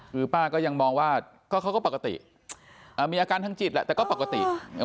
คือป้าก็ยังมองว่าเขาก็ปกติมีอาการทางจิตแหละแต่ก็ปกติ